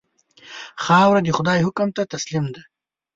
خاوره د خدای حکم ته تسلیم ده.